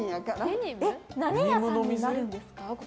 何屋さんになるんですか？